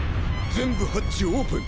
前部ハッチオープン。